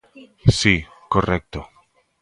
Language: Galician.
Si, correcto.